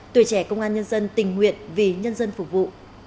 tuổi trẻ công an nhân dân tình nguyện vì nhân dân phục vụ